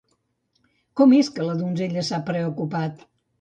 Com és que la donzella s'ha preocupat?